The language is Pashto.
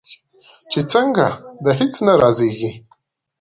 چې څنګه؟ د هیڅ نه رازیږې